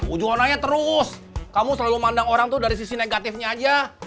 ujuananya terus kamu selalu mandang orang dari sisi negatifnya aja